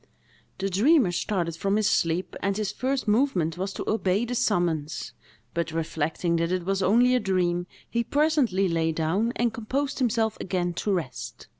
The dreamer started from his sleep, and his first movement was to obey the summons, but, reflecting that it was only a dream, he presently lay down, and composed himself again to rest.